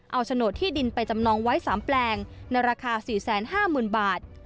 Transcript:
เอาโฉนดที่ดินไปจำนองไว้สามแปลงในราคาสี่แสนห้าหมื่นบาท